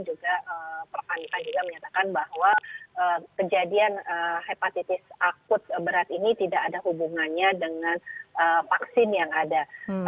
dan juga perpandikan juga menyatakan bahwa kejadian hepatitis akut berat ini tidak ada hubungannya dengan vaksin yang ada